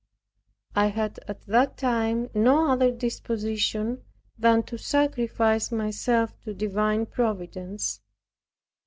I had at that time no other disposition than to sacrifice myself to divine Providence.